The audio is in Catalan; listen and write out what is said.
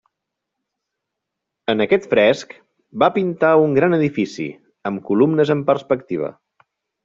En aquest fresc, va pintar un gran edifici amb columnes en perspectiva.